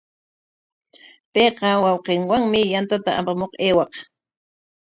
Payqa wawqinwami yantata apamuq aywaq.